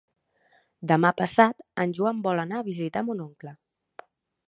Demà passat en Joan vol anar a visitar mon oncle.